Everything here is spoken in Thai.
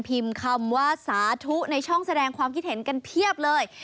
คำว่าสาธุในช่องแสดงความคิดเห็นกันเพียบเลย